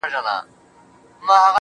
ارواښاد عبدالقدیم “پتیال”